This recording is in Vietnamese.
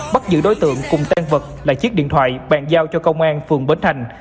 bắt giữ đối tượng cùng tan vật là chiếc điện thoại bàn giao cho công an phường bến thành